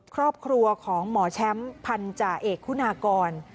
ครอบครัวของหมอแชมป์พันธาเอกคุณากร